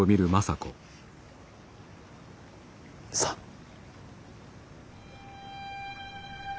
さあ。